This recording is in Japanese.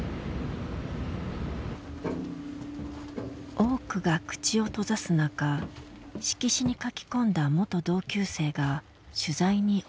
多くが口を閉ざす中色紙に書き込んだ元同級生が取材に応じた。